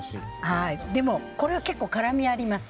でも、これは結構辛みあります。